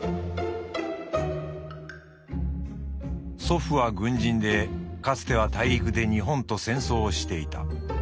「祖父は軍人でかつては大陸で日本と戦争をしていた。